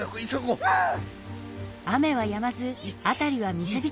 うん。